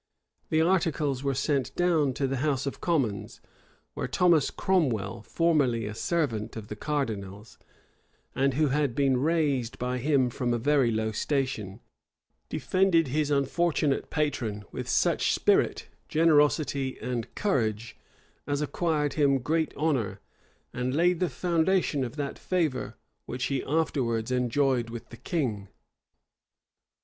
[] The articles were sent down to the house of commons; where Thomas Cromwell, formerly a servant of the cardinal's, and who had been raised by him from a very low station, defended his unfortunate patron with such spirit, generosity, and courage, as acquired him great honor, and laid the foundation of that favor which he afterwards enjoyed with the king.